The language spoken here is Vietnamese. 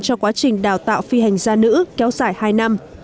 cho quá trình đào tạo phi hành gia nữ kéo dài hai năm